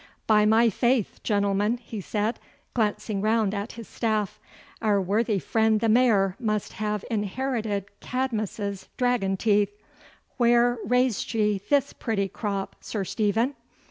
'By my faith, gentlemen,' he said, glancing round at his staff, 'our worthy friend the Mayor must have inherited Cadmus's dragon teeth. Where raised ye this pretty crop, Sir Stephen?